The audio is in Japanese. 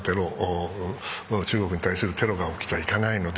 中国に対するテロが起きてはいけないので